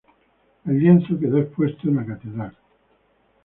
El lienzo quedó expuesta en la catedral.